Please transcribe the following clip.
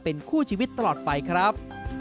เป็นคู่ชีวิตตลอดไปครับ